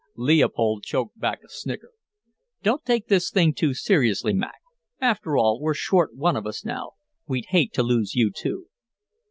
Leopold choked back a snicker. "Don't take this thing too seriously, Mac. After all, we're short one of us now. We'd hate to lose you, too."